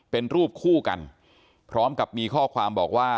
เป็นรูปคู่กันพร้อมกับมีข้อความบอกว่า